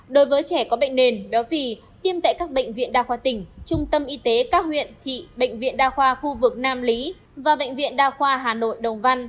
đối với trẻ có bệnh nền béo phì tiêm tại các bệnh viện đa khoa tỉnh trung tâm y tế các huyện thị bệnh viện đa khoa khu vực nam lý và bệnh viện đa khoa hà nội đồng văn